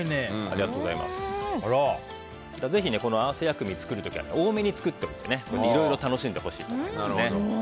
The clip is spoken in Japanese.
ぜひ、この合わせ薬味を作る時には多めに作っておいていろいろ楽しんでほしいと思います。